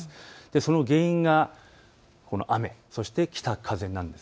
その原因が雨、そして北風なんです。